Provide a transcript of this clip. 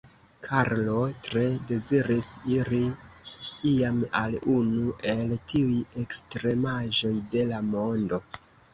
Karlo tre deziris iri iam al unu el tiuj ekstremaĵoj de la mondo.